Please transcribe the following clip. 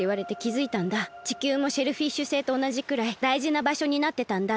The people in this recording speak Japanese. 地球もシェルフィッシュ星とおなじくらいだいじなばしょになってたんだって。